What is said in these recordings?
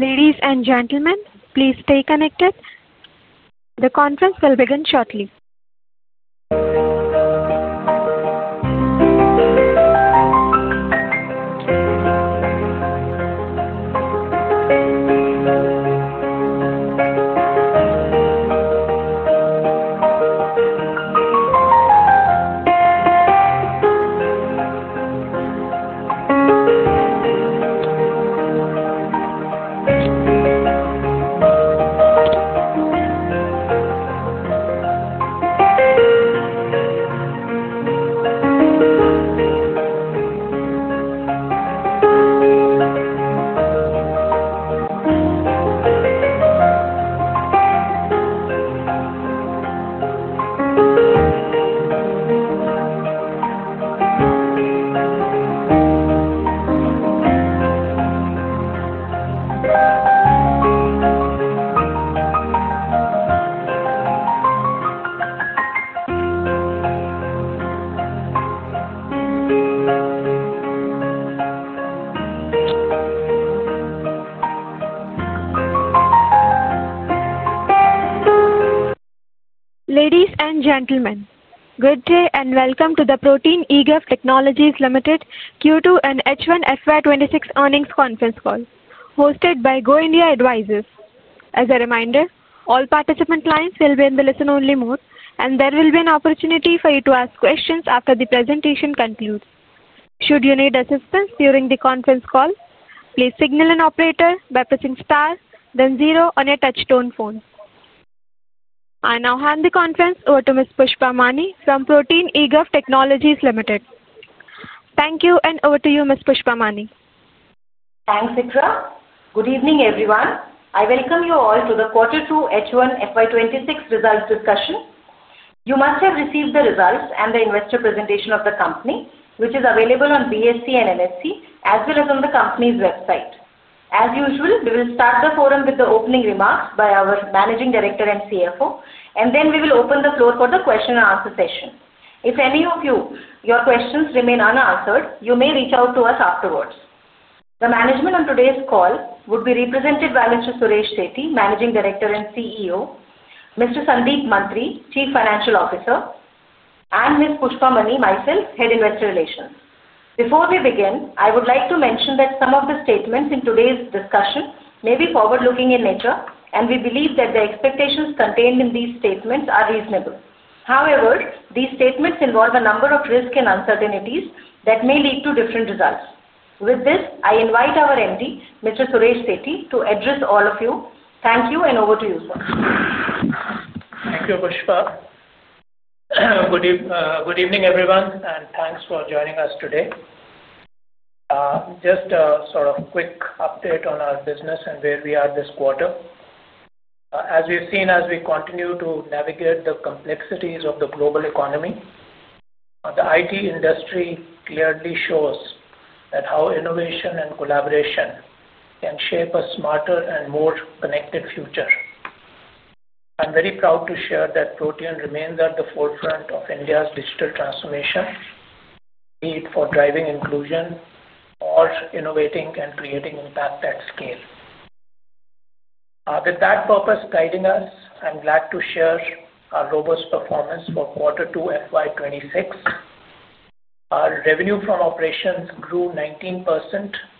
Ladies and gentlemen, good day and welcome to the Protean eGov Technologies Limited Q2 and H1 FY 2026 earnings conference call, hosted by Go India Advisors. As a reminder, all participant lines will be in the listen-only mode, and there will be an opportunity for you to ask questions after the presentation concludes. Should you need assistance during the conference call, please signal an operator by pressing star, then zero on your touch-tone phone. I now hand the conference over to Ms. Pushpa Mani from Protean eGov Technologies Limited. Thank you, and over to you, Ms. Pushpa Mani. Thanks, Ikra. Good evening, everyone. I welcome you all to the quarter two H1 FY 2026 results discussion. You must have received the results and the investor presentation of the company, which is available on BSE and NSE, as well as on the company's website. As usual, we will start the forum with the opening remarks by our Managing Director and CFO, and then we will open the floor for the question-and-answer session. If any of your questions remain unanswered, you may reach out to us afterwards. The management on today's call would be represented by Mr. Suresh Sethi, Managing Director and CEO; Mr. Sandeep Mantri, Chief Financial Officer; and Ms. Pushpa Mani, myself, Head Investor Relations. Before we begin, I would like to mention that some of the statements in today's discussion may be forward-looking in nature, and we believe that the expectations contained in these statements are reasonable. However, these statements involve a number of risks and uncertainties that may lead to different results. With this, I invite our MD, Mr. Suresh Sethi, to address all of you. Thank you, and over to you, sir. Thank you, Pushpa. Good evening, everyone, and thanks for joining us today. Just a sort of quick update on our business and where we are this quarter. As we've seen, as we continue to navigate the complexities of the global economy, the IT industry clearly shows how innovation and collaboration can shape a smarter and more connected future. I'm very proud to share that Protean remains at the forefront of India's digital transformation, aimed at driving inclusion or innovating and creating impact at scale. With that purpose guiding us, I'm glad to share our robust performance for quarter two FY 2026. Our revenue from operations grew 19%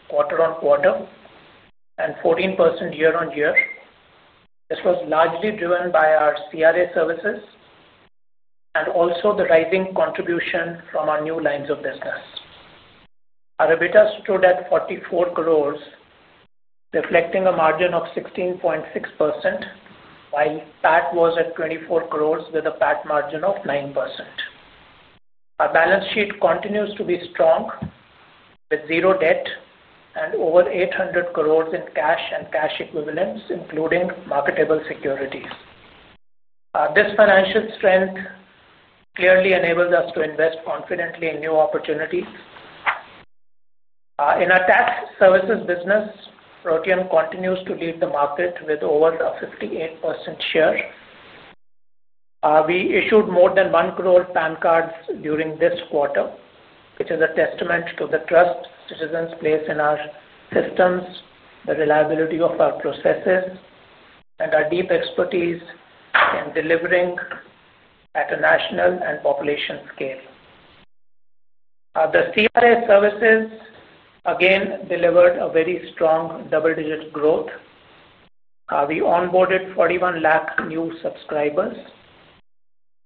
quarter on quarter and 14% year on year. This was largely driven by our CRA services and also the rising contribution from our new lines of business. Our EBITDA stood at 44 crore, reflecting a margin of 16.6%, while PAT was at 24 crore with a PAT margin of 9%. Our balance sheet continues to be strong, with zero debt and over 800 crore in cash and cash equivalents, including marketable securities. This financial strength clearly enables us to invest confidently in new opportunities. In our tax services business, Protean continues to lead the market with over a 58% share. We issued more than 1 crore PAN cards during this quarter, which is a testament to the trust citizens place in our systems, the reliability of our processes, and our deep expertise in delivering at a national and population scale. The CRA services, again, delivered a very strong double-digit growth. We onboarded 41 lakh new subscribers.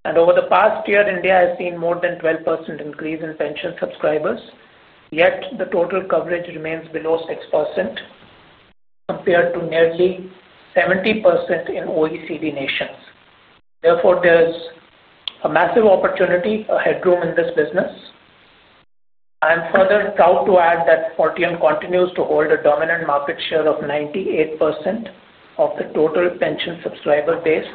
Over the past year, India has seen more than a 12% increase in pension subscribers, yet the total coverage remains below 6% compared to nearly 70% in OECD nations. Therefore, there is a massive opportunity, a headroom in this business. I'm further proud to add that Protean continues to hold a dominant market share of 98% of the total pension subscriber base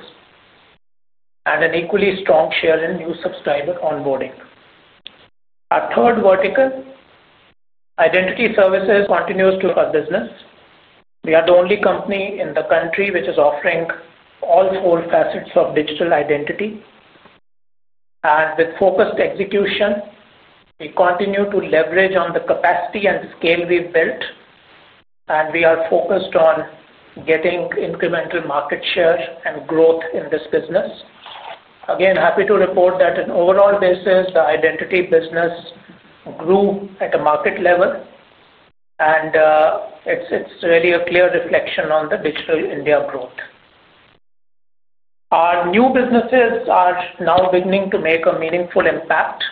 and an equally strong share in new subscriber onboarding. Our third vertical, identity services, continues to our business. We are the only company in the country which is offering all four facets of digital identity. With focused execution, we continue to leverage on the capacity and scale we've built, and we are focused on getting incremental market share and growth in this business. Again, happy to report that on an overall basis, the identity business grew at a market level, and it's really a clear reflection on the digital India growth. Our new businesses are now beginning to make a meaningful impact.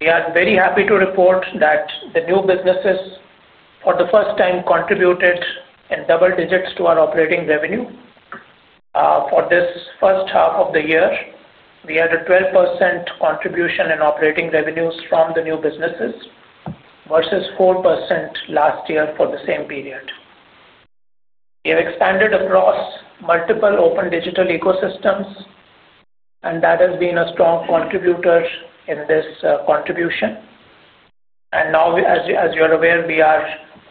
We are very happy to report that the new businesses, for the first time, contributed in double digits to our operating revenue. For this first half of the year, we had a 12% contribution in operating revenues from the new businesses versus 4% last year for the same period. We have expanded across multiple open digital ecosystems, and that has been a strong contributor in this contribution. As you are aware, we are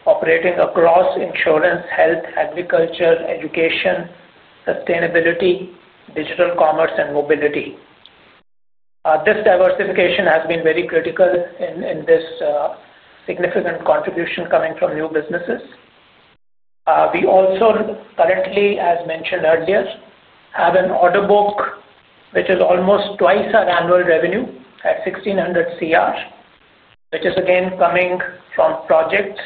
operating across insurance, health, agriculture, education, sustainability, digital commerce, and mobility. This diversification has been very critical in this significant contribution coming from new businesses. We also currently, as mentioned earlier, have an order book which is almost twice our annual revenue at 1,600 crore, which is again coming from projects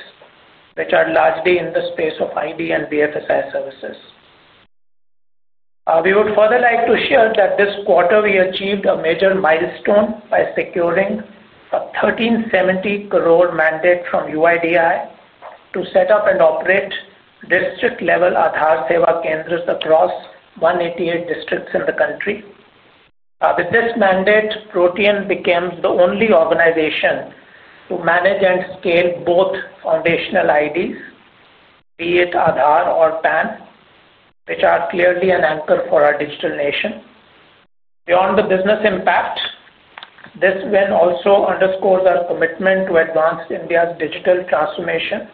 which are largely in the space of ID and BFSI services. We would further like to share that this quarter we achieved a major milestone by securing an 1,370 crore mandate from UIDAI to set up and operate district-level Aadhaar Seva Kendra across 188 districts in the country. With this mandate, Protean becomes the only organization to manage and scale both foundational IDs, be it Aadhaar or PAN, which are clearly an anchor for our digital nation. Beyond the business impact, this win also underscores our commitment to advance India's digital transformation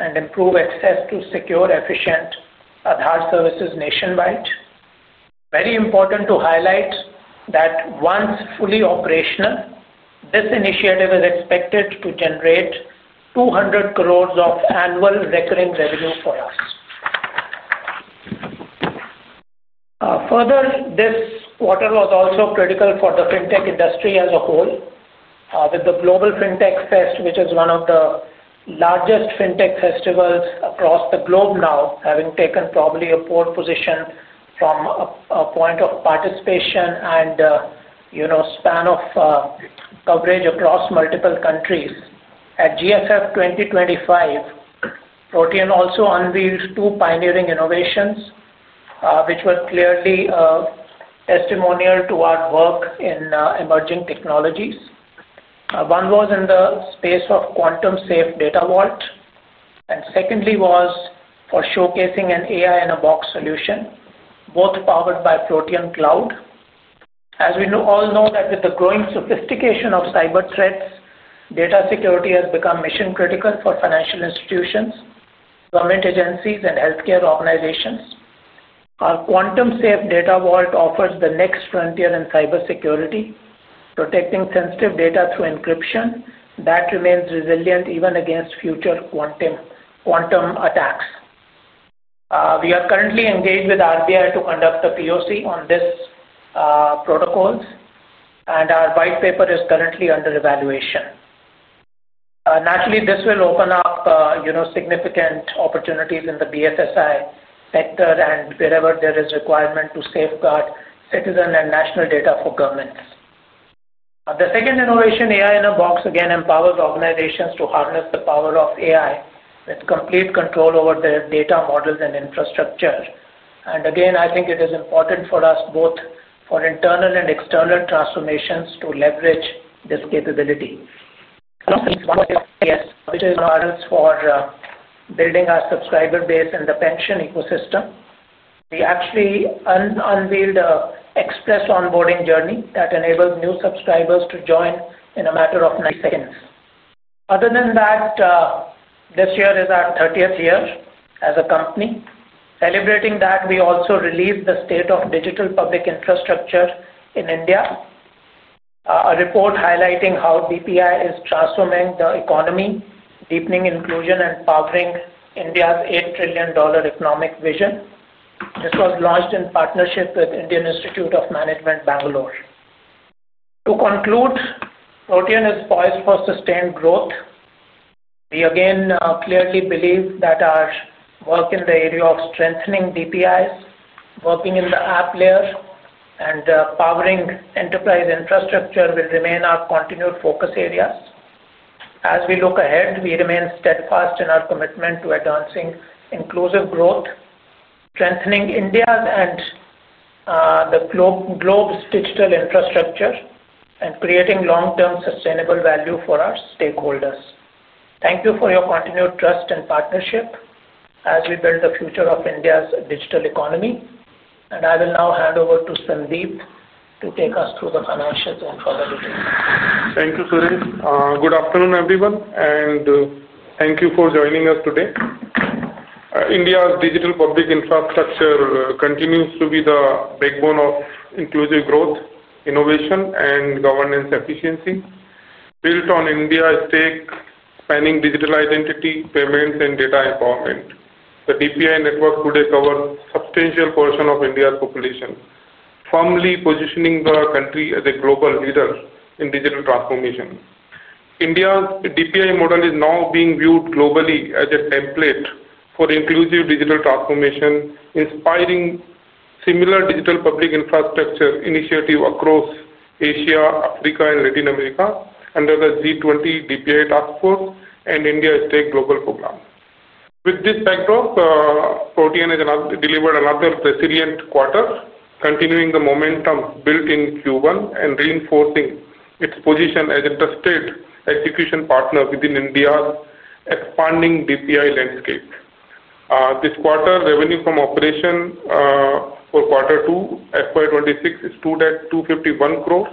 and improve access to secure, efficient Aadhaar services nationwide. Very important to highlight that once fully operational, this initiative is expected to generate 200 crore of annual recurring revenue for us. Further, this quarter was also critical for the fintech industry as a whole, with the Global Fintech Fest, which is one of the largest fintech festivals across the globe now, having taken probably a poor position from a point of participation and span of coverage across multiple countries. At GFF 2025, Protean also unveiled two pioneering innovations, which were clearly testimonial to our work in emerging technologies. One was in the space of Quantum Safe Data Vault, and secondly was for showcasing an AI-in-a-Box solution, both powered by Protean Cloud. As we all know, with the growing sophistication of cyber threats, data security has become mission-critical for financial institutions, government agencies, and healthcare organizations. Our Quantum Safe Data Vault offers the next frontier in cybersecurity, protecting sensitive data through encryption that remains resilient even against future quantum attacks. We are currently engaged with RBI to conduct a POC on this protocol, and our white paper is currently under evaluation. Naturally, this will open up significant opportunities in the BFSI sector and wherever there is a requirement to safeguard citizen and national data for governments. The second innovation, AI-in-a-Box, again empowers organizations to harness the power of AI with complete control over their data models and infrastructure. I think it is important for us, both for internal and external transformations, to leverage this capability. models for building our subscriber base in the pension ecosystem. We actually unveiled an express onboarding journey that enables new subscribers to join in a matter of 90 seconds. Other than that, this year is our 30th year as a company. Celebrating that, we also released the state of digital public infrastructure in India, a report highlighting how DPI is transforming the economy, deepening inclusion, and powering India's $8 trillion economic vision. This was launched in partnership with Indian Institute of Management Bangalore. To conclude, Protean is poised for sustained growth. We again clearly believe that our work in the area of strengthening DPIs, working in the app layer, and powering enterprise infrastructure will remain our continued focus areas. As we look ahead, we remain steadfast in our commitment to advancing inclusive growth, strengthening India's and the globe's digital infrastructure, and creating long-term sustainable value for our stakeholders. Thank you for your continued trust and partnership as we build the future of India's digital economy. I will now hand over to Sandeep to take us through the financials and further details. Thank you, Suresh. Good afternoon, everyone, and thank you for joining us today. India's digital public infrastructure continues to be the backbone of inclusive growth, innovation, and governance efficiency, built on India's stack spanning digital identity, payments, and data empowerment. The DPI network today covers a substantial portion of India's population, firmly positioning the country as a global leader in digital transformation. India's DPI model is now being viewed globally as a template for inclusive digital transformation, inspiring similar Digital Public Infrastructure initiatives across Asia, Africa, and Latin America under the G20 DPI Task Force and India's global program. With this backdrop, Protean has delivered another resilient quarter, continuing the momentum built in Q1 and reinforcing its position as an interstate execution partner within India's expanding DPI landscape. This quarter, revenue from operation for quarter two FY 2026 stood at 251 crore,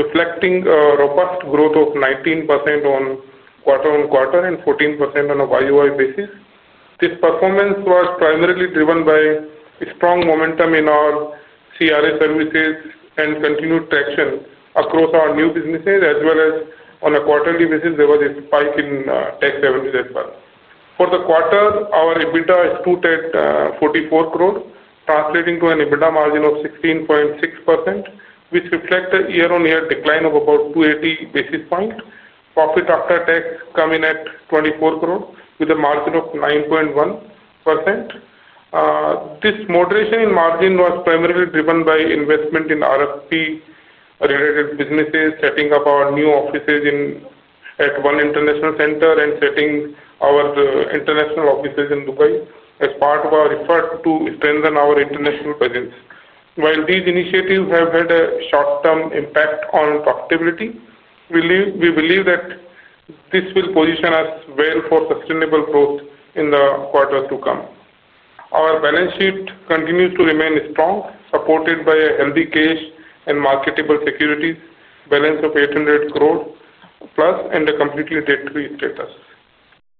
reflecting a robust growth of 19% on quarter-on-quarter and 14% on a YoY basis. This performance was primarily driven by strong momentum in our CRA services and continued traction across our new businesses, as well as on a quarterly basis, there was a spike in tax revenues as well. For the quarter, our EBITDA stood at 44 crore, translating to an EBITDA margin of 16.6%, which reflects a year-on-year decline of about 280 basis points. Profit after tax comes in at 24 crore with a margin of 9.1%. This moderation in margin was primarily driven by investment in RFP-related businesses, setting up our new offices at One International Center and setting our international offices in Dubai, as part of our effort to strengthen our international presence. While these initiatives have had a short-term impact on profitability, we believe that this will position us well for sustainable growth in the quarters to come. Our balance sheet continues to remain strong, supported by a healthy cash and marketable securities balance of 800 crore plus and a completely debt-free status.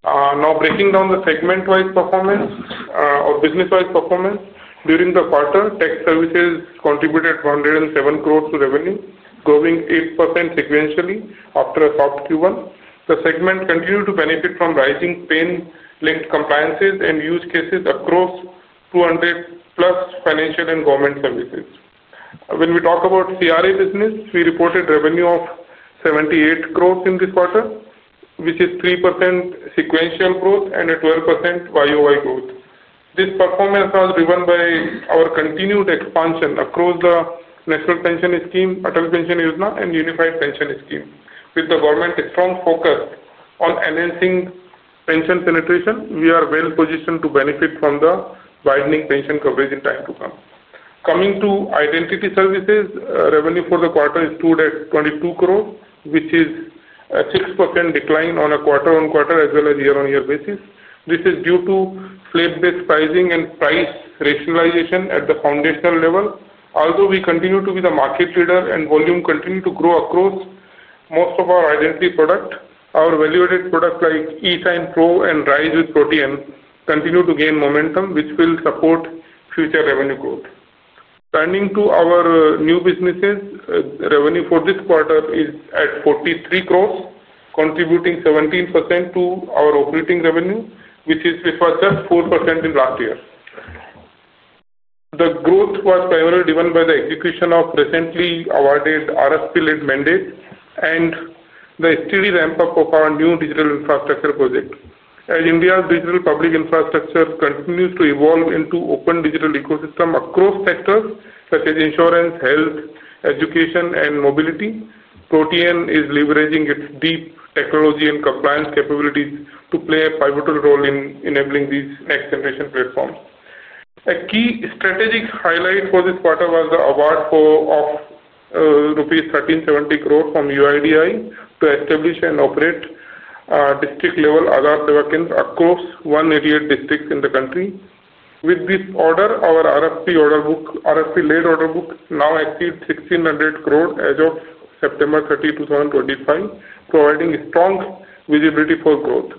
Now, breaking down the segment-wise performance or business-wise performance during the quarter, tech services contributed 107 crore to revenue, growing 8% sequentially after a soft Q1. The segment continued to benefit from rising PAN-linked compliances and use cases across 200+ financial and government services. When we talk about CRA business, we reported revenue of 78 crore in this quarter, which is 3% sequential growth and a 12% YoY growth. This performance was driven by our continued expansion across the National Pension System, Atal Pension Yojana, and Unified Pension Scheme. With the government's strong focus on enhancing pension penetration, we are well-positioned to benefit from the widening pension coverage in time to come. Coming to identity services, revenue for the quarter stood at 22 crore, which is a 6% decline on a quarter-on-quarter as well as year-on-year basis. This is due to slate-based pricing and price rationalization at the foundational level. Although we continue to be the market leader and volume continues to grow across most of our identity products, our value-added products like eSignPro and RISE with Protean continue to gain momentum, which will support future revenue growth. Turning to our new businesses, revenue for this quarter is at 43 crore, contributing 17% to our operating revenue, which was just 4% in last year. The growth was primarily driven by the execution of recently awarded RFP-led mandates and the steady ramp-up of our new digital infrastructure project. As India's Digital Public Infrastructure continues to evolve into an open digital ecosystem across sectors such as insurance, health, education, and mobility, Protean is leveraging its deep technology and compliance capabilities to play a pivotal role in enabling these next-generation platforms. A key strategic highlight for this quarter was the award of rupees 1,370 crore from UIDAI to establish and operate district-level Aadhaar Seva Kendra across 188 districts in the country. With this order, our RFP-led order book now exceeds 1,600 crore as of September 30, 2025, providing strong visibility for growth.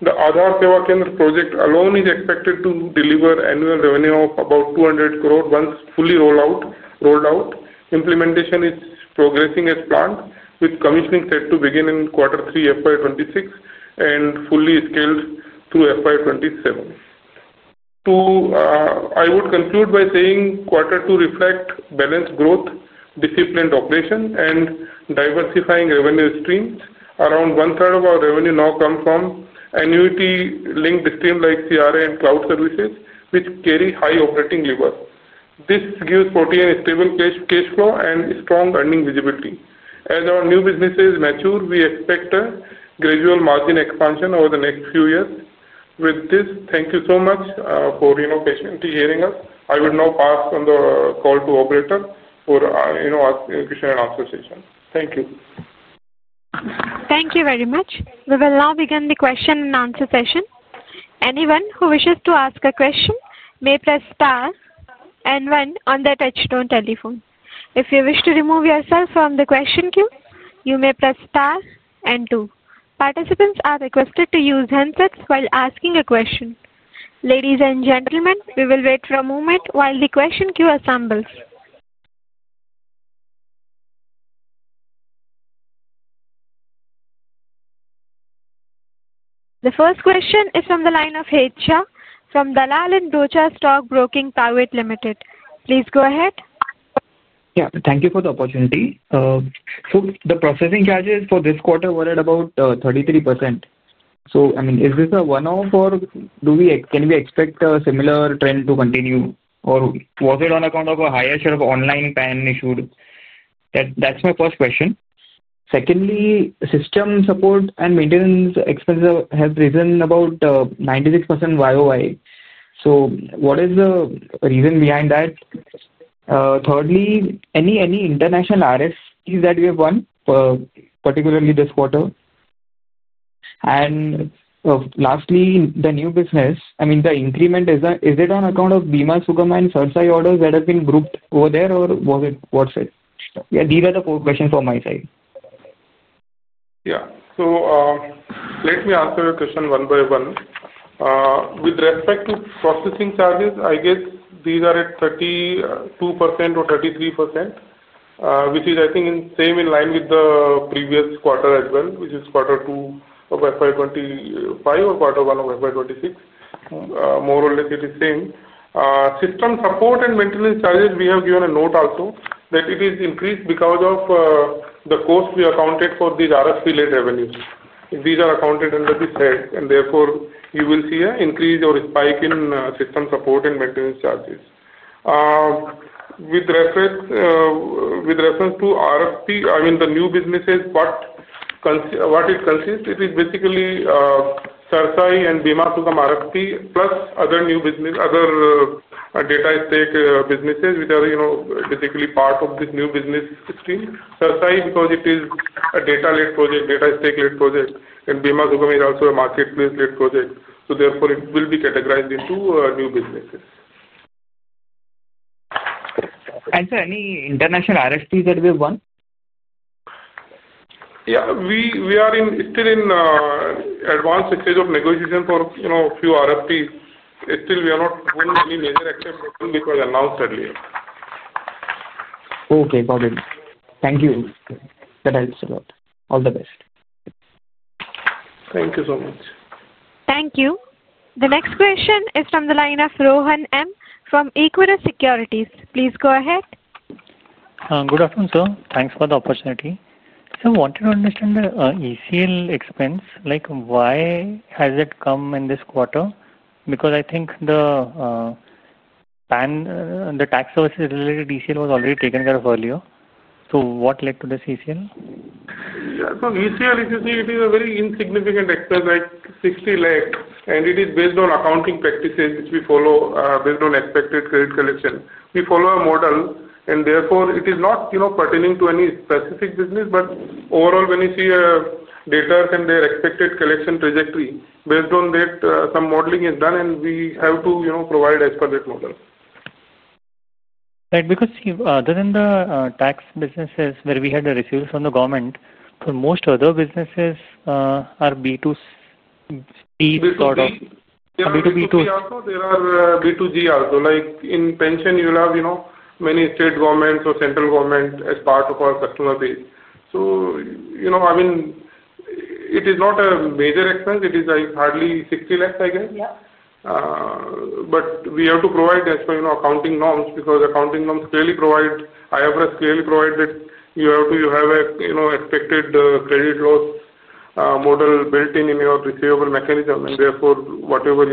The Aadhaar Seva Kendra project alone is expected to deliver annual revenue of about 200 crore once fully rolled out. Implementation is progressing as planned, with commissioning set to begin in quarter three FY 2026 and fully scaled through FY 2027. I would conclude by saying quarter two reflects balanced growth, disciplined operation, and diversifying revenue streams. Around 1/3 of our revenue now comes from annuity-linked streams like CRA and cloud services, which carry high operating labor. This gives Protean a stable cash flow and strong earning visibility. As our new businesses mature, we expect a gradual margin expansion over the next few years. With this, thank you so much for patiently hearing us. I will now pass on the call to operator for question-and-answer session. Thank you. Thank you very much. We will now begin the question-and-answer session. Anyone who wishes to ask a question may press star and one on their touchstone telephone. If you wish to remove yourself from the question queue, you may press star and two. Participants are requested to use handsets while asking a question. Ladies and gentlemen, we will wait for a moment while the question queue assembles. The first question is from the line of from Dalal & Broacha Stock Broking Private Limited. Please go ahead. Yeah, thank you for the opportunity. The processing charges for this quarter were at about 33%. I mean, is this a one-off or can we expect a similar trend to continue? Was it on account of a higher share of online PAN issued? That's my first question. Secondly, system support and maintenance expenses have risen about 96% YoY. What is the reason behind that? Thirdly, any international RFPs that we have won, particularly this quarter? Lastly, the new business, I mean, the increment, is it on account of Bima Sugam and CERSAI orders that have been grouped over there, or what's it? Yeah, these are the four questions from my side. Yeah. Let me answer your question one by one. With respect to processing charges, I guess these are at 32% or 33%, which is, I think, same in line with the previous quarter as well, which is quarter two of FY 2025 or quarter one of FY 2026. More or less, it is same. System support and maintenance charges, we have given a note also that it is increased because of the cost we accounted for these RFP-led revenues. These are accounted under this head, and therefore, you will see an increase or a spike in system support and maintenance charges. With reference to RFP, I mean, the new businesses, what it consists of, it is basically CERSAI and Bima Sugam RFP plus other data estate businesses, which are basically part of this new business stream. CERSAI, because it is a data-led project, data estate-led project, and Bima Sugam is also a marketplace-led project. Therefore, it will be categorized into new businesses. Sir, any international RFPs that we have won? Yeah. We are still in advanced stage of negotiation for a few RFPs. Still, we have not won any major actions which were announced earlier. Okay. Got it. Thank you. That helps a lot. All the best. Thank you so much. Thank you. The next question is from the line of Rohan M from Equirus Securities. Please go ahead. Good afternoon, sir. Thanks for the opportunity. Sir, I wanted to understand the ECL expense. Why has it come in this quarter? Because I think the tax services-related ECL was already taken care of earlier. What led to this ECL? Yeah. ECL, as you see, it is a very insignificant expense, like 6,000,000, and it is based on accounting practices which we follow based on expected credit collection. We follow a model, and therefore, it is not pertaining to any specific business, but overall, when you see data and their expected collection trajectory, based on that, some modeling is done, and we have to provide as per that model. Right. Because other than the tax businesses where we had the receivers from the government, for most other businesses, are B2C sort of? B2B too. There are B2G also. In pension, you'll have many state governments or central governments as part of our customer base. I mean, it is not a major expense. It is hardly 6,000,000, I guess. We have to provide as per accounting norms because accounting norms clearly provide, IFRS clearly provides that you have to have an expected credit loss model built in your receivable mechanism, and therefore, whatever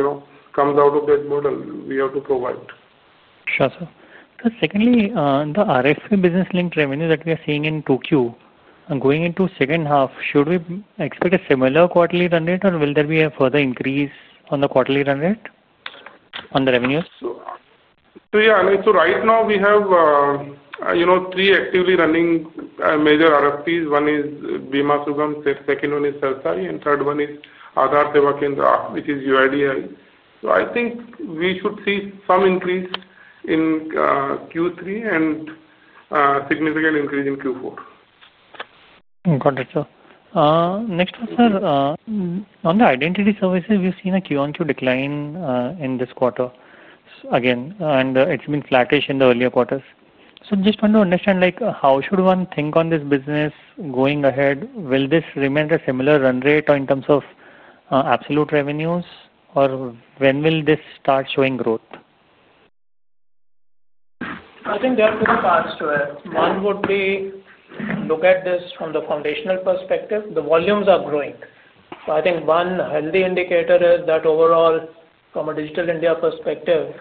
comes out of that model, we have to provide. Sure, sir. Secondly, the RFP business-linked revenue that we are seeing in 2Q going into the second half, should we expect a similar quarterly run rate, or will there be a further increase on the quarterly run rate on the revenues? Yeah. Right now, we have three actively running major RFPs. One is Bima Sugam, second one is CERSAI, and third one is Aadhaar Seva Kendra, which is UIDAI. I think we should see some increase in Q3 and a significant increase in Q4. Got it, sir. Next question, sir. On the identity services, we've seen a Q1Q decline in this quarter again, and it's been flattish in the earlier quarters. Just want to understand, how should one think on this business going ahead? Will this remain a similar run rate in terms of absolute revenues, or when will this start showing growth? I think there are two parts to it. One would be look at this from the foundational perspective. The volumes are growing. I think one healthy indicator is that overall, from a Digital India perspective,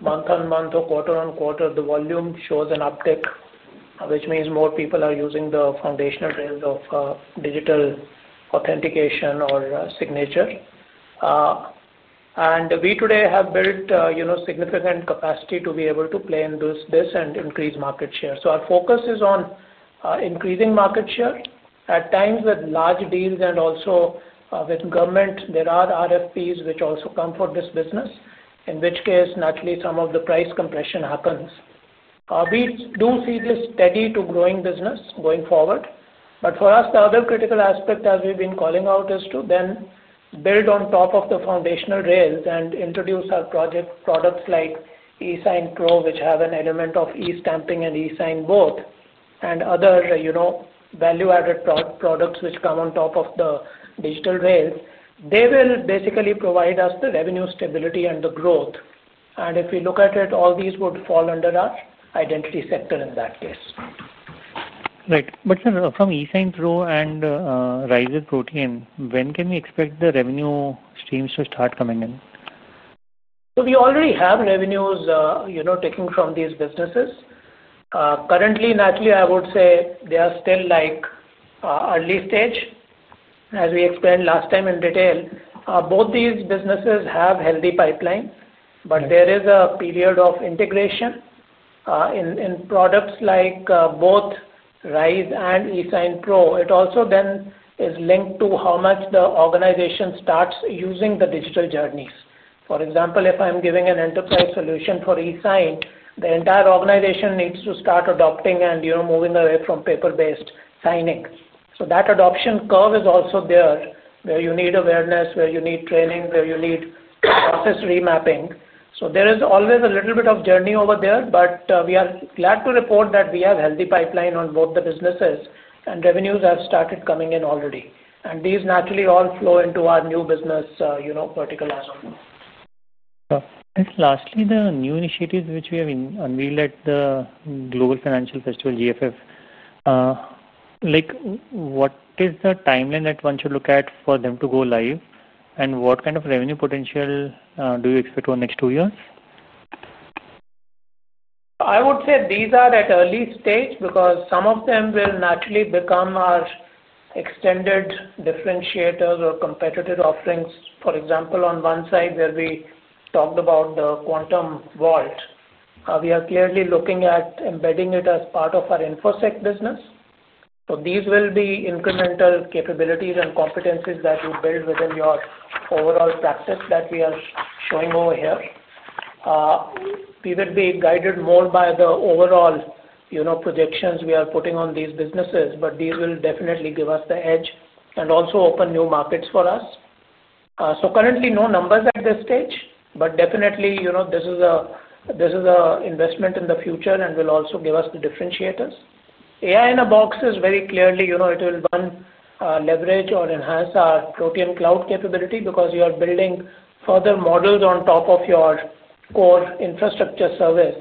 month on month or quarter on quarter, the volume shows an uptick, which means more people are using the foundational trails of digital authentication or signature. We today have built significant capacity to be able to play in this and increase market share. Our focus is on increasing market share. At times, with large deals and also with government, there are RFPs which also come for this business, in which case, naturally, some of the price compression happens. We do see this steady to growing business going forward. For us, the other critical aspect, as we've been calling out, is to then build on top of the foundational rails and introduce our products like eSignPro, which have an element of e-stamping and e-sign both, and other value-added products which come on top of the digital rails. They will basically provide us the revenue stability and the growth. If we look at it, all these would fall under our identity sector in that case. Right. Sir, from eSignPro and RISE with Protean, when can we expect the revenue streams to start coming in? We already have revenues taken from these businesses. Currently, naturally, I would say they are still early stage, as we explained last time in detail. Both these businesses have healthy pipelines, but there is a period of integration in products like both RISE and eSignPro. It also then is linked to how much the organization starts using the digital journeys. For example, if I'm giving an enterprise solution for e-sign, the entire organization needs to start adopting and moving away from paper-based signing. That adoption curve is also there, where you need awareness, where you need training, where you need process remapping. There is always a little bit of journey over there, but we are glad to report that we have a healthy pipeline on both the businesses, and revenues have started coming in already. These, naturally, all flow into our new business vertical as well. Lastly, the new initiatives which we have unveiled at the Global Fintech Fest, GFF, what is the timeline that one should look at for them to go live, and what kind of revenue potential do you expect for the next two years? I would say these are at early stage because some of them will naturally become our extended differentiators or competitive offerings. For example, on one side, where we talked about the Quantum Vault, we are clearly looking at embedding it as part of our InfoSec business. These will be incremental capabilities and competencies that you build within your overall practice that we are showing over here. We will be guided more by the overall projections we are putting on these businesses, but these will definitely give us the edge and also open new markets for us. Currently, no numbers at this stage, but definitely, this is an investment in the future and will also give us the differentiators. AI-in-a-Box is very clearly it will one leverage or enhance our Protean Cloud capability because you are building further models on top of your core infrastructure service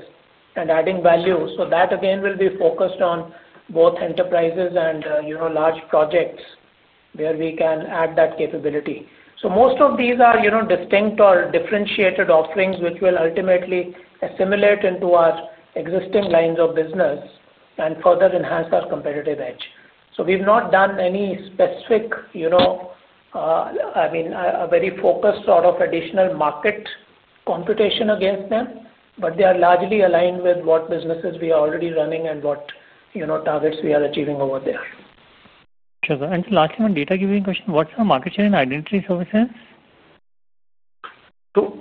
and adding value. That, again, will be focused on both enterprises and large projects where we can add that capability. Most of these are distinct or differentiated offerings which will ultimately assimilate into our existing lines of business and further enhance our competitive edge. We've not done any specific, I mean, a very focused sort of additional market computation against them, but they are largely aligned with what businesses we are already running and what targets we are achieving over there. Sure, sir. Lastly, one data-giving question. What's our market share in identity services?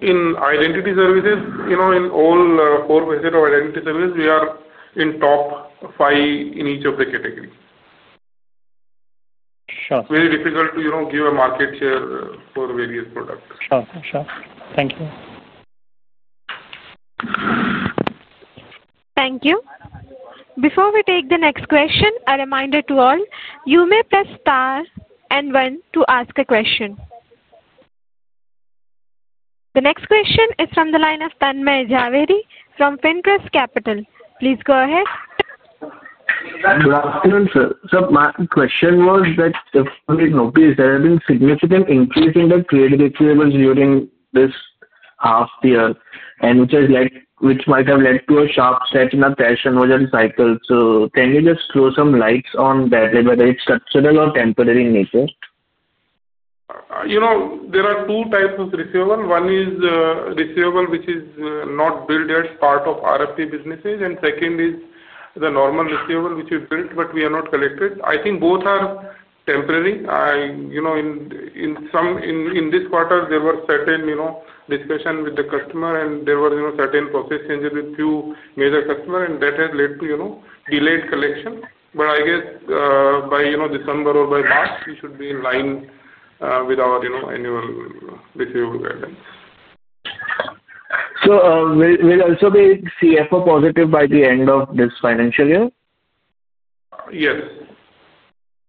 In identity services, in all 4% of identity services, we are in top five in each of the categories. Sure. It's very difficult to give a market share for various products. Sure. Sure. Thank you. Thank you. Before we take the next question, a reminder to all, you may press star and one to ask a question. The next question is from the line of Tanmay Jhaveri from Finterest Capital. Please go ahead. Good afternoon, sir. My question was that there has been a significant increase in the creative achievements during this half year, which might have led to a sharp set in the cash and wager cycle. Can you just throw some lights on that, whether it is structural or temporary in nature? There are two types of receivable. One is receivable which is not built as part of RFP businesses, and second is the normal receivable which we built, but we have not collected. I think both are temporary. In this quarter, there were certain discussions with the customer, and there were certain process changes with a few major customers, and that has led to delayed collection. I guess by December or by March, we should be in line with our annual receivable guidance. Will there also be CFO positive by the end of this financial year? Yes.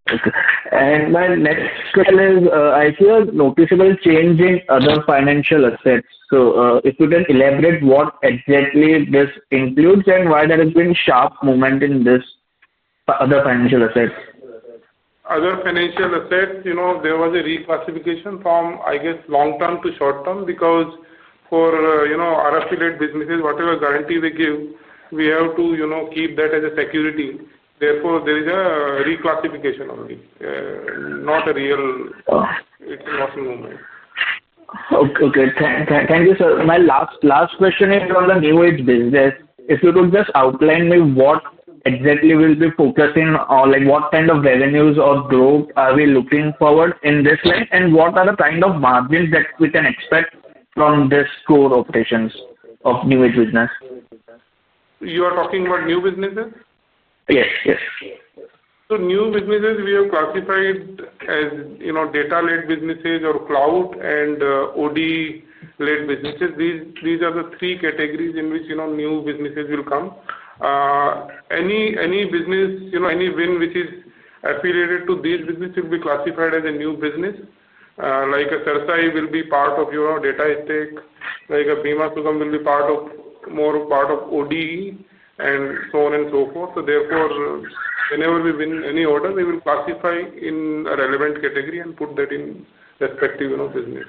Okay. My next question is, I see a noticeable change in other financial assets. If you can elaborate what exactly this includes and why there has been a sharp movement in these other financial assets? Other financial assets, there was a reclassification from, I guess, long-term to short-term because for RFP-led businesses, whatever guarantee they give, we have to keep that as a security. Therefore, there is a reclassification only, not a real reclassification. Okay. Thank you, sir. My last question is from the new age business. If you could just outline me what exactly will be focusing or what kind of revenues or growth are we looking forward in this line, and what are the kind of margins that we can expect from these core operations of new age business? You are talking about new businesses? Yes. Yes. New businesses, we have classified as data-led businesses or cloud and OD-led businesses. These are the three categories in which new businesses will come. Any business, any VIN which is affiliated to these businesses will be classified as a new business. Like a CERSAI will be part of your data estate, like a Bima Sugam will be more part of OD, and so on and so forth. Therefore, whenever we win any order, we will classify in a relevant category and put that in respective business.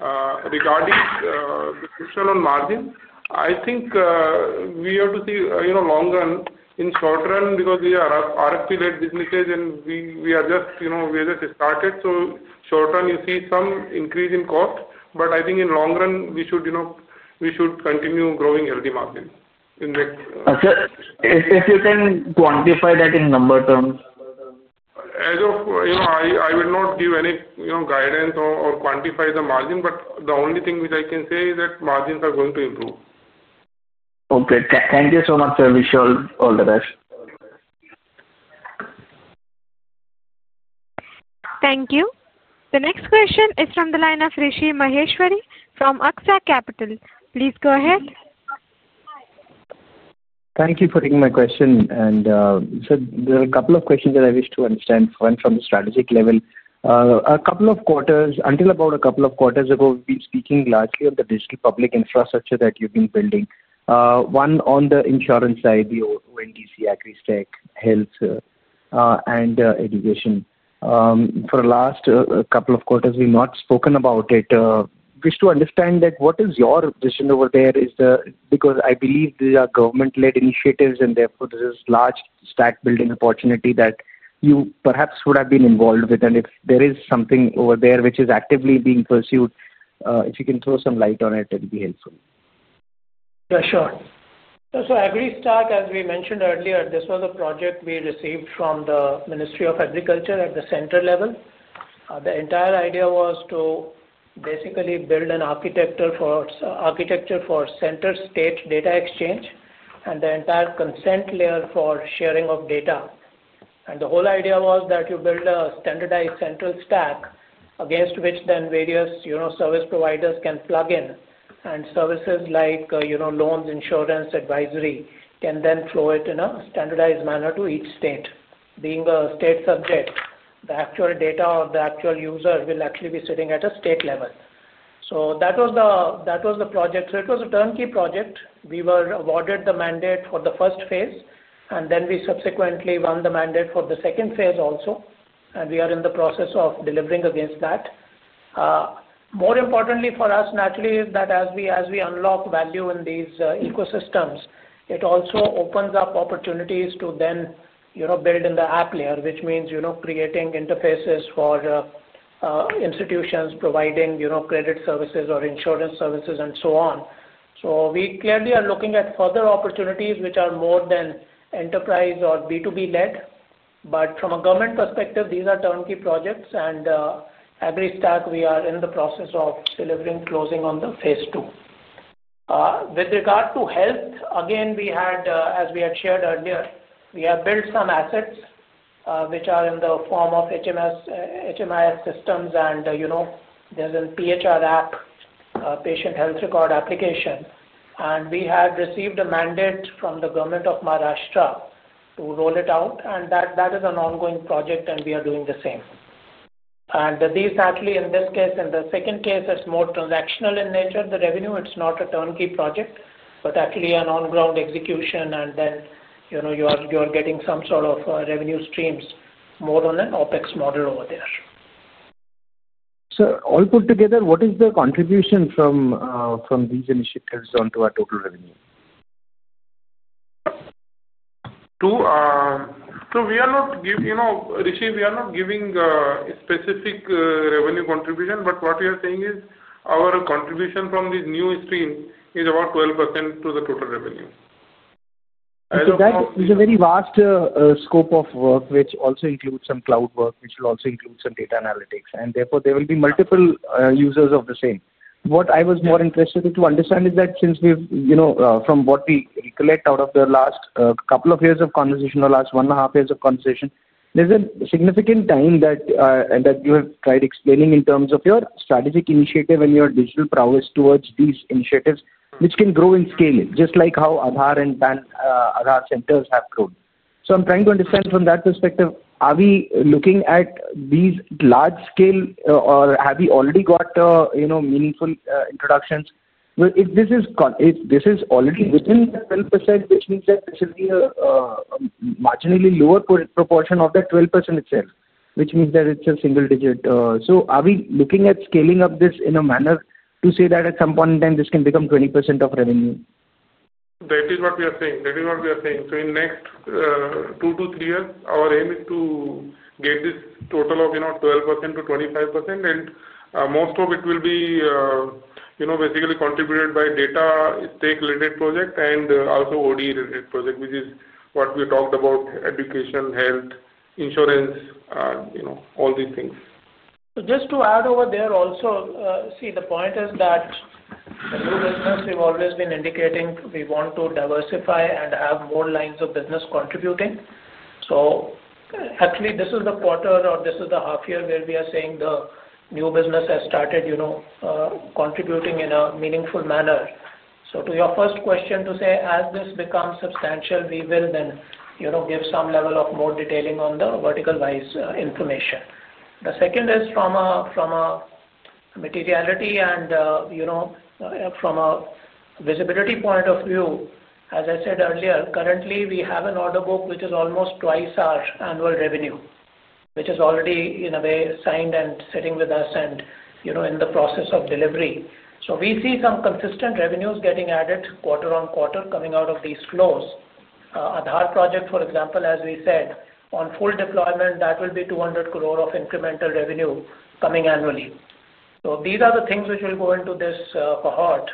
Regarding the question on margin, I think we have to see long run and short run because we are RFP-led businesses, and we have just started. In the short run, you see some increase in cost, but I think in the long run, we should continue growing healthy margins. Sir, if you can quantify that in number terms? As of, I will not give any guidance or quantify the margin, but the only thing which I can say is that margins are going to improve. Okay. Thank you so much, sir. Wish you all the best. Thank you. The next question is from the line of Rishi Maheshwari from Aksa Capital. Please go ahead. Thank you for taking my question. Sir, there are a couple of questions that I wish to understand, one from the strategic level. A couple of quarters, until about a couple of quarters ago, we've been speaking largely on the digital public infrastructure that you've been building, one on the insurance side, the [ONGC], AgriStack, health, and education. For the last couple of quarters, we've not spoken about it. I wish to understand what your position over there is because I believe these are government-led initiatives, and therefore, this is a large stack-building opportunity that you perhaps would have been involved with. If there is something over there which is actively being pursued, if you can throw some light on it, it would be helpful. Yeah. Sure. So AgriStack, as we mentioned earlier, this was a project we received from the Ministry of Agriculture at the central level. The entire idea was to basically build an architecture for center-state data exchange and the entire consent layer for sharing of data. The whole idea was that you build a standardized central stack against which then various service providers can plug in, and services like loans, insurance, advisory can then flow in a standardized manner to each state. Being a state subject, the actual data or the actual user will actually be sitting at a state level. That was the project. It was a turnkey project. We were awarded the mandate for the first phase, and then we subsequently won the mandate for the second phase also. We are in the process of delivering against that. More importantly for us, naturally, is that as we unlock value in these ecosystems, it also opens up opportunities to then build in the app layer, which means creating interfaces for institutions, providing credit services or insurance services, and so on. We clearly are looking at further opportunities which are more than enterprise or B2B-led. From a government perspective, these are turnkey projects, and AgriStack, we are in the process of delivering, closing on the phase II. With regard to health, again, as we had shared earlier, we have built some assets which are in the form of HMIS systems, and there is a PHR app, patient health record application. We have received a mandate from the government of Maharashtra to roll it out, and that is an ongoing project, and we are doing the same. These, naturally, in this case, in the second case, it's more transactional in nature. The revenue, it's not a turnkey project, but actually an on-ground execution, and then you are getting some sort of revenue streams more on an OpEx model over there. Sir, all put together, what is the contribution from these initiatives onto our total revenue? We are not giving, Rishi, we are not giving a specific revenue contribution, but what we are saying is our contribution from these new streams is about 12% to the total revenue. I see that. It's a very vast scope of work, which also includes some cloud work, which will also include some data analytics. Therefore, there will be multiple users of the same. What I was more interested to understand is that since we've, from what we collect out of the last couple of years of conversation, the last one and a half years of conversation, there's a significant time that you have tried explaining in terms of your strategic initiative and your digital prowess towards these initiatives, which can grow in scale, just like how Aadhaar and Aadhaar Kendras have grown. I'm trying to understand from that perspective, are we looking at these large-scale, or have we already got meaningful introductions? If this is already within the 12%, which means that this will be a marginally lower proportion of that 12% itself, which means that it's a single digit. Are we looking at scaling up this in a manner to say that at some point in time, this can become 20% of revenue? That is what we are saying. In the next two to three years, our aim is to get this total of 12%-25%, and most of it will be basically contributed by data estate-related projects and also OD-related projects, which is what we talked about: education, health, insurance, all these things. Just to add over there also, see, the point is that the new business, we've always been indicating we want to diversify and have more lines of business contributing. Actually, this is the quarter or this is the half year where we are saying the new business has started contributing in a meaningful manner. To your first question, to say, as this becomes substantial, we will then give some level of more detailing on the vertical-wise information. The second is from a materiality and from a visibility point of view, as I said earlier, currently, we have an order book which is almost twice our annual revenue, which is already, in a way, signed and sitting with us and in the process of delivery. We see some consistent revenues getting added quarter on quarter coming out of these flows. Aadhaar project, for example, as we said, on full deployment, that will be 200 crore of incremental revenue coming annually. These are the things which will go into this cohort,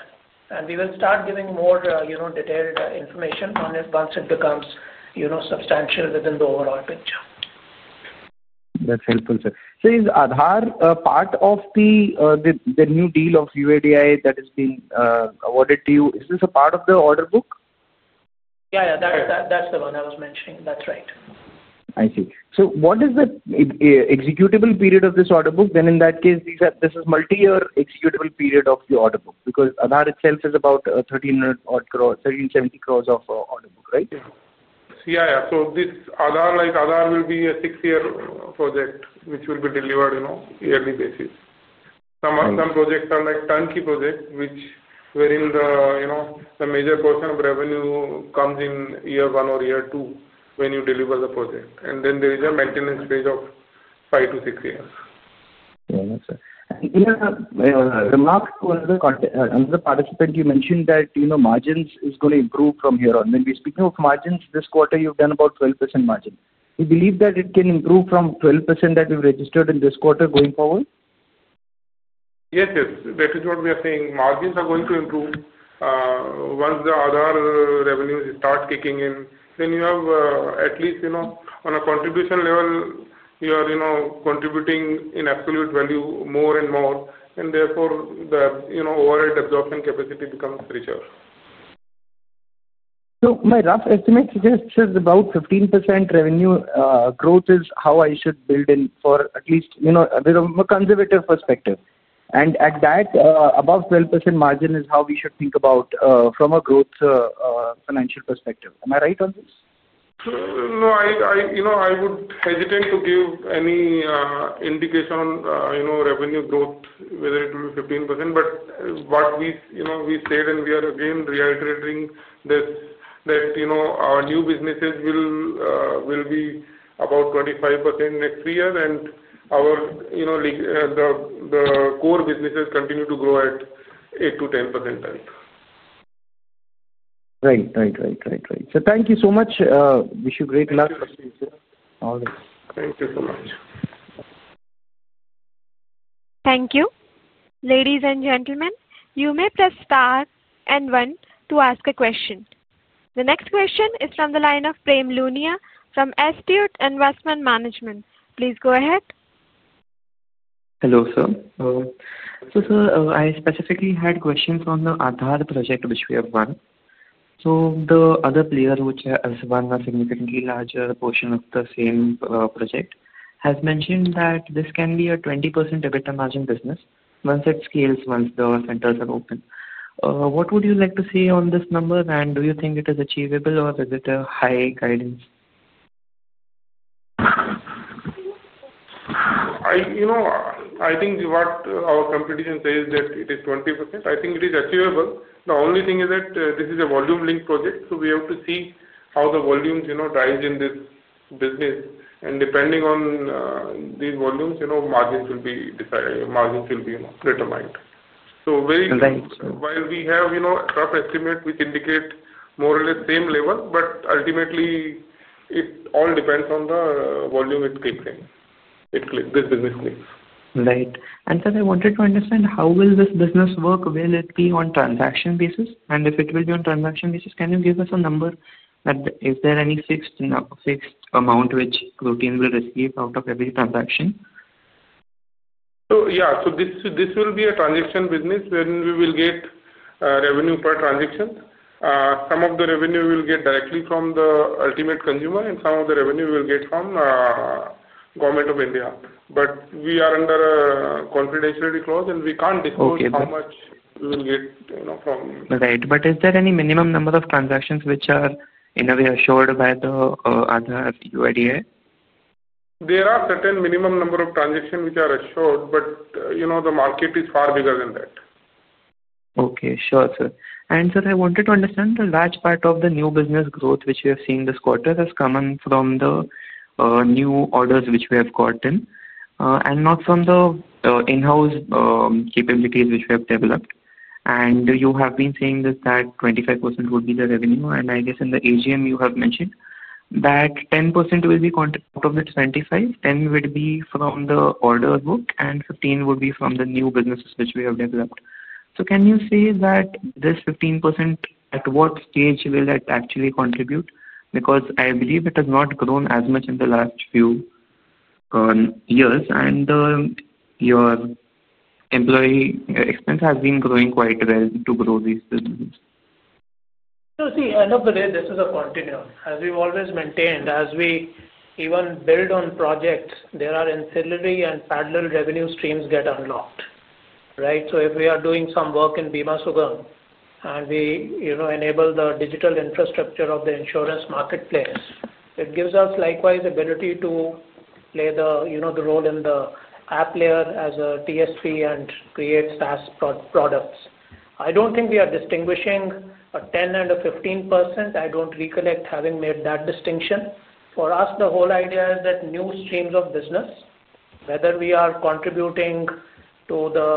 and we will start giving more detailed information on it once it becomes substantial within the overall picture. That's helpful, sir. Is Aadhaar part of the new deal of UIDAI that has been awarded to you? Is this a part of the order book? Yeah. Yeah. That's the one I was mentioning. That's right. I see. What is the executable period of this order book? In that case, this is a multi-year executable period of the order book because Aadhaar itself is about 1,370 crore of order book, right? Yeah. Yeah. Aadhaar will be a six-year project which will be delivered on a yearly basis. Some projects are like turnkey projects, wherein the major portion of revenue comes in year one or year two when you deliver the project. There is a maintenance phase of five to six years. Yeah. That's right. In our remarks to another participant, you mentioned that margins is going to improve from here on. When we speak of margins, this quarter, you've done about 12% margin. Do you believe that it can improve from 12% that we've registered in this quarter going forward? Yes. Yes. That is what we are saying. Margins are going to improve once the other revenues start kicking in. You have at least on a contribution level, you are contributing in absolute value more and more, and therefore, the overall absorption capacity becomes richer. My rough estimate is just about 15% revenue growth is how I should build in for at least a conservative perspective. At that, above 12% margin is how we should think about from a growth financial perspective. Am I right on this? No. I would hesitate to give any indication on revenue growth, whether it will be 15%. What we said, and we are again reiterating this, is that our new businesses will be about 25% next three years, and the core businesses continue to grow at 8%-10%. Right. So thank you so much. Wish you great luck. Thank you. Thank you so much. Thank you. Ladies and gentlemen, you may press star and one to ask a question. The next question is from the line of Prem Luniya from Astute Investment Management. Please go ahead. Hello, sir. Sir, I specifically had questions on the Aadhaar project which we have won. The other player, which has won a significantly larger portion of the same project, has mentioned that this can be a 20% EBITDA margin business once it scales, once the centers are open. What would you like to say on this number, and do you think it is achievable, or is it a high guidance? I think what our competition says is that it is 20%. I think it is achievable. The only thing is that this is a volume-linked project, so we have to see how the volumes rise in this business. Depending on these volumes, margins will be determined. While we have rough estimates which indicate more or less same level, ultimately, it all depends on the volume it is kicked in, this business kicks. Right. Sir, I wanted to understand how will this business work? Will it be on transaction basis? If it will be on transaction basis, can you give us a number? Is there any fixed amount which Protean will receive out of every transaction? Yeah. This will be a transaction business, and we will get revenue per transaction. Some of the revenue we'll get directly from the ultimate consumer, and some of the revenue we'll get from the government of India. We are under a confidentiality clause, and we can't disclose how much we will get from. Right. Is there any minimum number of transactions which are in a way assured by the Aadhaar UIDAI? There are certain minimum number of transactions which are assured, but the market is far bigger than that. Okay. Sure. Sure. Sir, I wanted to understand the large part of the new business growth which we have seen this quarter has come from the new orders which we have gotten and not from the in-house capabilities which we have developed. You have been saying that 25% would be the revenue. I guess in the AGM, you have mentioned that out of the 25%, 10% would be from the order book, and 15% would be from the new businesses which we have developed. Can you say that this 15%, at what stage will that actually contribute? I believe it has not grown as much in the last few years, and your employee expense has been growing quite well to grow these businesses. See, end of the day, this is a continuum. As we've always maintained, as we even build on projects, there are ancillary and parallel revenue streams that get unlocked, right? If we are doing some work in Bima Sugam, and we enable the digital infrastructure of the insurance marketplace, it gives us likewise the ability to play the role in the app layer as a TSP and create SaaS products. I don't think we are distinguishing a 10% and a 15%. I don't recollect having made that distinction. For us, the whole idea is that new streams of business, whether we are contributing to the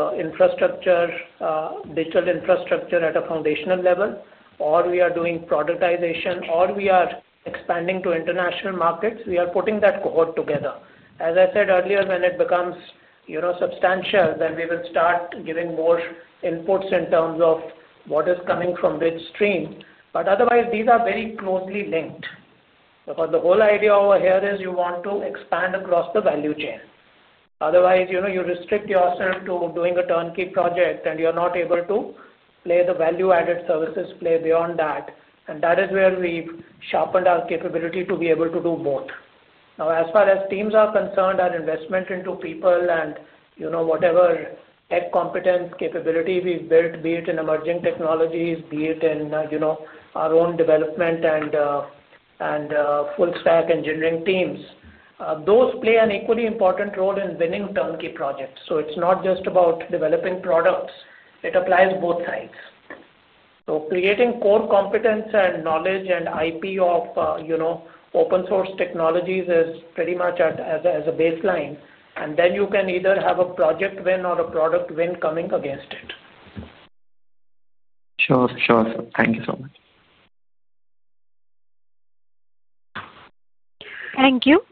digital infrastructure at a foundational level, or we are doing productization, or we are expanding to international markets, we are putting that cohort together. As I said earlier, when it becomes substantial, then we will start giving more inputs in terms of what is coming from which stream. Otherwise, these are very closely linked. The whole idea over here is you want to expand across the value chain. Otherwise, you restrict yourself to doing a turnkey project, and you're not able to play the value-added services play beyond that. That is where we've sharpened our capability to be able to do both. Now, as far as teams are concerned, our investment into people and whatever tech competence capability we've built, be it in emerging technologies, be it in our own development and full-stack engineering teams, those play an equally important role in winning turnkey projects. It's not just about developing products. It applies both sides. Creating core competence and knowledge and IP of open-source technologies is pretty much as a baseline. Then you can either have a project win or a product win coming against it. Sure. Sure. Thank you so much. Thank you.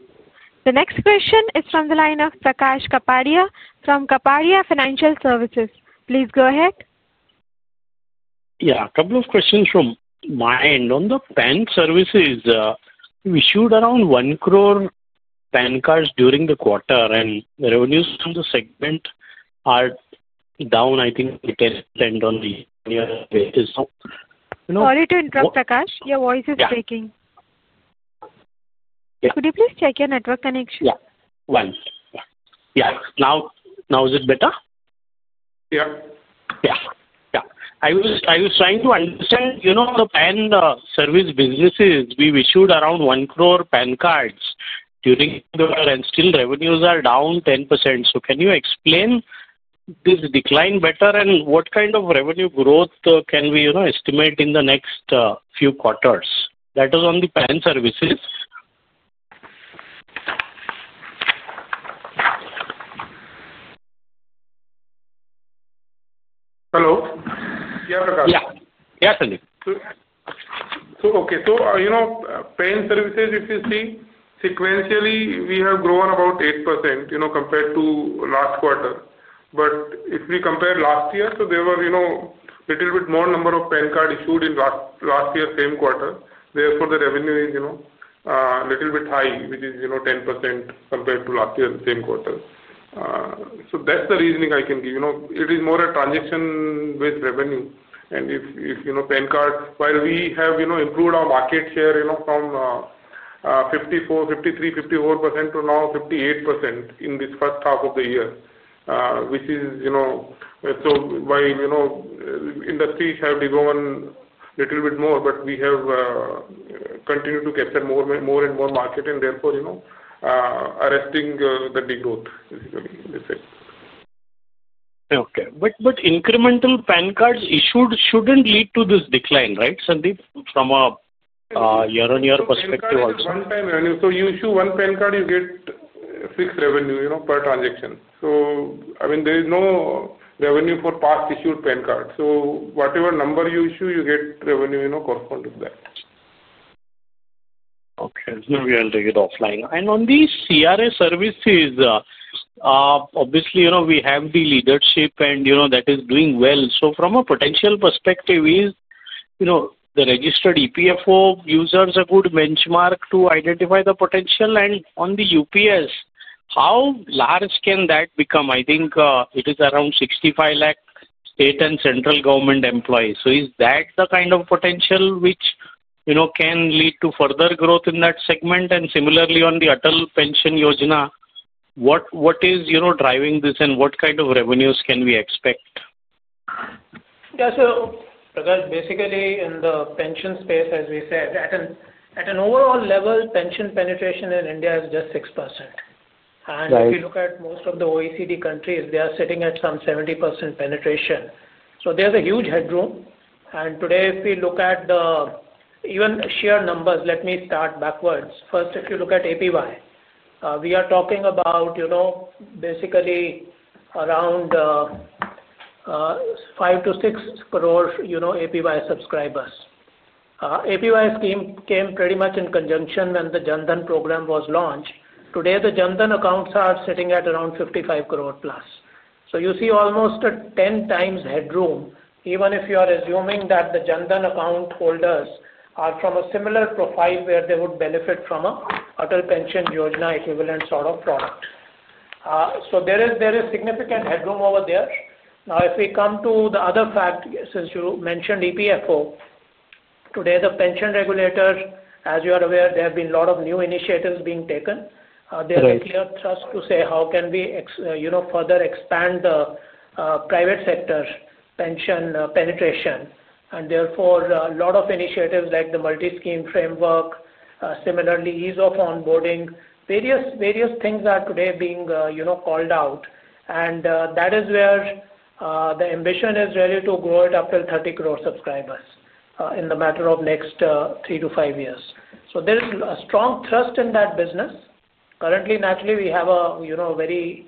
The next question is from the line of Prakash Kapadia from Kapadia Financial Services. Please go ahead. Yeah. A couple of questions from my end. On the PAN services, we issued around 1 crore PAN cards during the quarter, and the revenues from the segment are down, I think, 10% on the year basis. Sorry to interrupt, Prakash. Your voice is breaking. Yeah. Could you please check your network connection? Yeah. One. Yeah. Now is it better? Yeah. Yeah. Yeah. I was trying to understand the PAN service businesses. We've issued around 1 crore PAN cards during the quarter, and still revenues are down 10%. Can you explain this decline better, and what kind of revenue growth can we estimate in the next few quarters? That is on the PAN services. Yeah, Prakash. Yeah. Yes, Sandeep. Okay. PAN services, if you see, sequentially, we have grown about 8% compared to last quarter. If we compare last year, there were a little bit more number of PAN cards issued in last year's same quarter. Therefore, the revenue is a little bit high, which is 10% compared to last year's same quarter. That's the reasoning I can give. It is more a transaction-based revenue. If PAN cards, while we have improved our market share from 53%, 54% to now 58% in this first half of the year, while industries have grown a little bit more, we have continued to capture more and more market, and therefore, arresting the degrowth, basically. That's it. Okay. Incremental PAN cards issued shouldn't lead to this decline, right, Sandeep, from a year-on-year perspective also? Yeah. One-time revenue. You issue one PAN card, you get fixed revenue per transaction. I mean, there is no revenue for past issued PAN cards. Whatever number you issue, you get revenue corresponding to that. Okay. We'll take it offline. On the CRA services, obviously, we have the leadership, and that is doing well. From a potential perspective, is the registered EPFO users a good benchmark to identify the potential? On the UPS, how large can that become? I think it is around 6.5 million state and central government employees. Is that the kind of potential which can lead to further growth in that segment? Similarly, on the Atal Pension Yojana, what is driving this, and what kind of revenues can we expect? Yeah. Prakash, basically, in the pension space, as we said, at an overall level, pension penetration in India is just 6%. If you look at most of the OECD countries, they are sitting at some 70% penetration. There is a huge headroom. Today, if we look at the even sheer numbers, let me start backwards. First, if you look at APY, we are talking about basically around 5-6 crore APY subscribers. APY scheme came pretty much in conjunction when the Jan Dhan program was launched. Today, the Jan Dhan accounts are sitting at around 55+ crore. You see almost a 10x headroom, even if you are assuming that the Jan Dhan account holders are from a similar profile where they would benefit from an Atal Pension Yojana equivalent sort of product. There is significant headroom over there. Now, if we come to the other fact, since you mentioned EPFO, today, the pension regulators, as you are aware, there have been a lot of new initiatives being taken. There is a clear thrust to say, "How can we further expand the private sector pension penetration?" There are a lot of initiatives like the Multi-Scheme Framework, similarly, ease of onboarding, various things are today being called out. That is where the ambition is really to grow it up to 30 crore subscribers in the matter of next three to five years. There is a strong thrust in that business. Currently, naturally, we have a very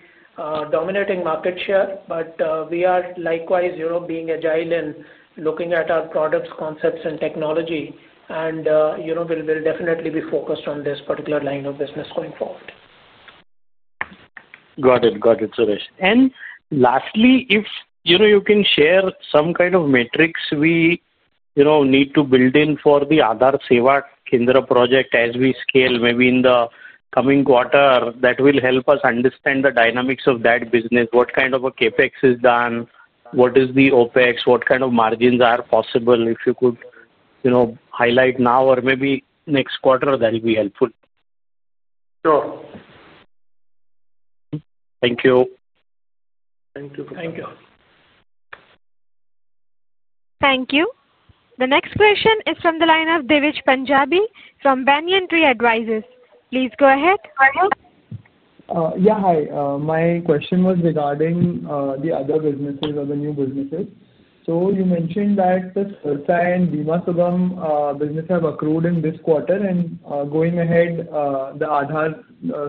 dominating market share, but we are likewise being agile in looking at our products, concepts, and technology. We will definitely be focused on this particular line of business going forward. Got it. Got it. Suresh. Lastly, if you can share some kind of metrics we need to build in for the Aadhaar Seva Kendra project as we scale maybe in the coming quarter, that will help us understand the dynamics of that business, what kind of CapEx is done, what is the OpEx, what kind of margins are possible. If you could highlight now or maybe next quarter, that will be helpful. Sure. Thank you. Thank you. Thank you. Thank you. The next question is from the line of Divij Punjabi from Banyan Tree Advisors. Please go ahead. Yeah. Hi. My question was regarding the other businesses or the new businesses. You mentioned that the CERSAI and Bima Sugam business have accrued in this quarter. Going ahead, the Aadhaar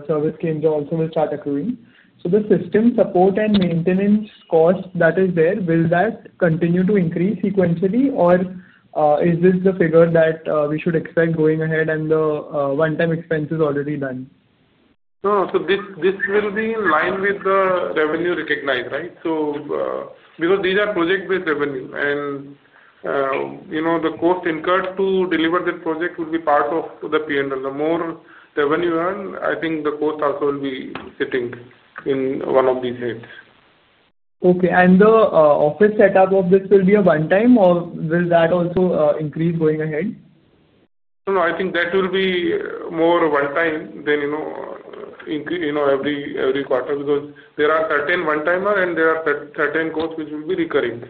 Seva Kendra also will start accruing. The system support and maintenance cost that is there, will that continue to increase sequentially, or is this the figure that we should expect going ahead, and the one-time expense is already done? No. This will be in line with the revenue recognized, right? Because these are project-based revenue. The cost incurred to deliver this project will be part of the P&L. The more revenue earned, I think the cost also will be sitting in one of these heads. Okay. The office setup of this will be a one-time, or will that also increase going ahead? No. I think that will be more one-time than every quarter because there are certain one-timers, and there are certain costs which will be recurring.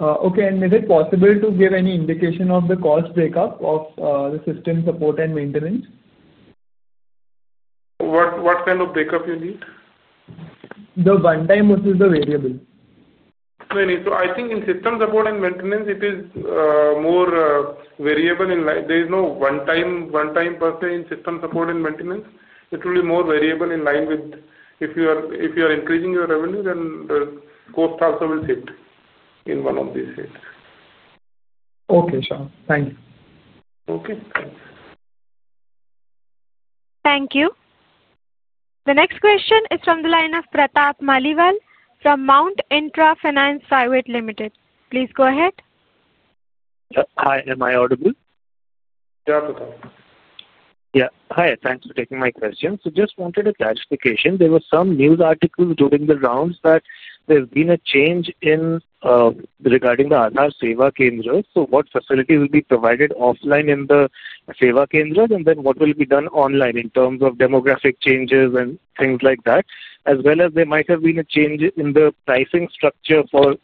Okay. Is it possible to give any indication of the cost breakup of the system support and maintenance? What kind of breakup do you need? The one-time versus the variable. I think in system support and maintenance, it is more variable in line. There is no one-time per se in system support and maintenance. It will be more variable in line with if you are increasing your revenue, then the cost also will shift in one of these heads. Okay. Sure. Thank you. Okay. Thank you. The next question is from the line of Pratap Maliwal.from Mount Intra Finance Private Limited. Please go ahead. Hi. Am I audible? Yeah. Pratap. Yeah. Hi. Thanks for taking my question. Just wanted a clarification. There were some news articles during the rounds that there's been a change regarding the Aadhaar Seva Kendra. What facility will be provided offline in the Seva Kendra, and then what will be done online in terms of demographic changes and things like that, as well as there might have been a change in the pricing structure for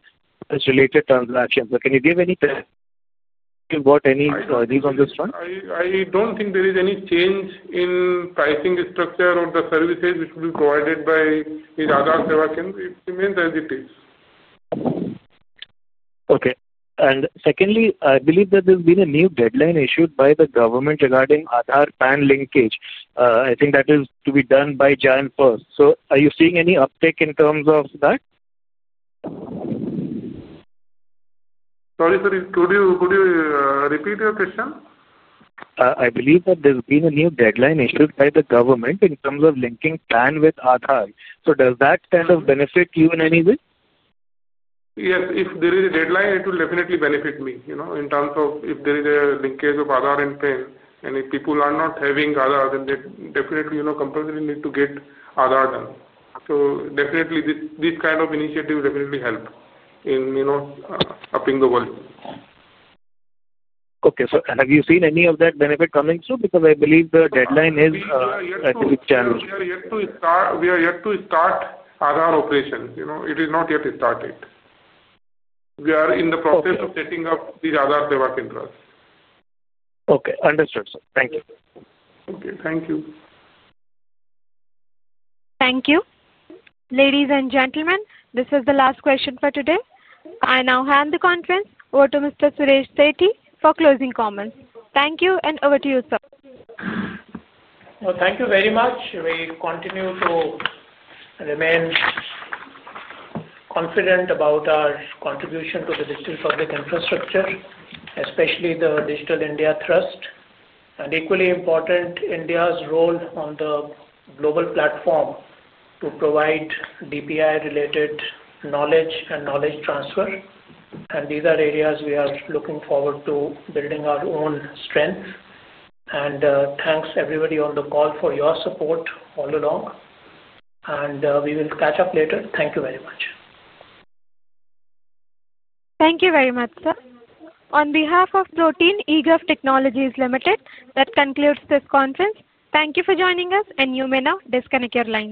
related transactions? Can you give any thought on this one? I don't think there is any change in pricing structure of the services which will be provided by the Aadhaar Seva Kendra. It remains as it is. Okay. Secondly, I believe that there's been a new deadline issued by the government regarding Aadhaar PAN linkage. I think that is to be done by January 1. Are you seeing any uptake in terms of that? Sorry, could you repeat your question? I believe that there's been a new deadline issued by the government in terms of linking PAN with Aadhaar. Does that kind of benefit you in any way? Yes. If there is a deadline, it will definitely benefit me in terms of if there is a linkage of Aadhaar and PAN. If people are not having Aadhaar, then they definitely compulsorily need to get Aadhaar done. These kind of initiatives definitely help in upping the volume. Okay. So have you seen any of that benefit coming through? Because I believe the deadline is with January. We are yet to start Aadhaar operations. It is not yet started. We are in the process of setting up the Aadhaar Seva Kendra. Okay. Understood, sir. Thank you. Okay. Thank you. Thank you. Ladies and gentlemen, this is the last question for today. I now hand the conference over to Mr. Suresh Sethi for closing comments. Thank you. And over to you, sir. Thank you very much. We continue to remain confident about our contribution to the Digital Public Infrastructure, especially the Digital India Trust, and equally important, India's role on the global platform to provide DPI-related knowledge and knowledge transfer. These are areas we are looking forward to building our own strength. Thanks, everybody on the call, for your support all along. We will catch up later. Thank you very much. Thank you very much, sir. On behalf of Protean eGov Technologies Limited, that concludes this conference. Thank you for joining us, and you may now disconnect your line.